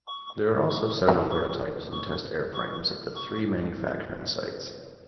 There are also several prototypes and test airframes at the three manufacturing sites.